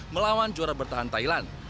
melawan juara bertahan thailand